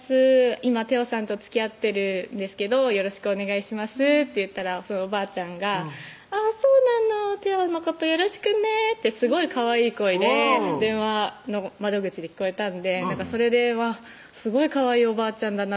「今太鎬さんとつきあってるんですけどよろしくお願いします」って言ったらそのおばあちゃんが「あぁそうなの」「太鎬のことよろしくね」ってすごいかわいい声で電話の窓口で聞こえたんでそれでうわっすごいかわいいおばあちゃんだな